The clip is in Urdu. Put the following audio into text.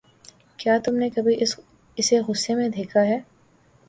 کیا تم نے کبھی اسے غصے میں دیکھا ہے؟